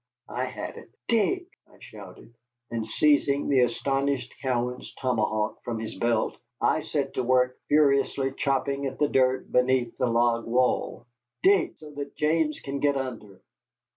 I had it. "Dig!" I shouted; and seizing the astonished Cowan's tomahawk from his belt I set to work furiously chopping at the dirt beneath the log wall. "Dig, so that James can get under."